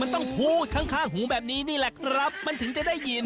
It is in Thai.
มันต้องพูดข้างหูแบบนี้นี่แหละครับมันถึงจะได้ยิน